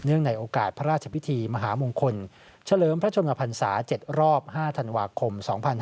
ในโอกาสพระราชพิธีมหามงคลเฉลิมพระชนมพันศา๗รอบ๕ธันวาคม๒๕๕๙